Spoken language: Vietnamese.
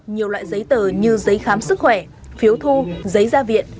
nhiều loại giấy tờ như giấy khám sức khỏe phiếu thu giấy gia viện